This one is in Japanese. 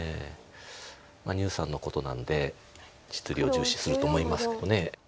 牛さんのことなんで実利を重視すると思いますけど。